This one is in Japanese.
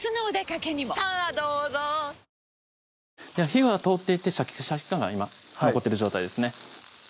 火は通っていってシャキシャキ感が今残ってる状態ですね